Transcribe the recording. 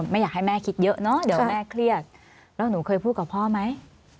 ไม่อยากให้แม่คิดเยอะเนอะเดี๋ยวแม่เครียดแล้วหนูเคยพูดกับพ่อไหม